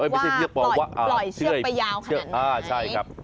ว่าปล่อยเชือกไปยาวขนาดไหนไม่ใช่เชือกปอว่า